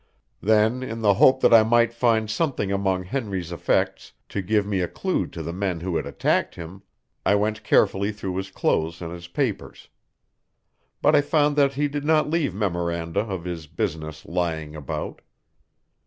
Then, in the hope that I might find something among Henry's effects to give me a clue to the men who had attacked him, I went carefully through his clothes and his papers. But I found that he did not leave memoranda of his business lying about.